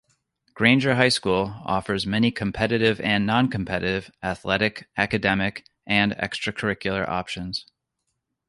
Granger High School offers many competitive and non-competitive athletic, academic, and extra-curricular options.